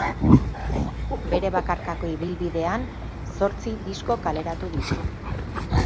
Bere bakarkako ibilbidean zortzi disko kaleratu ditu.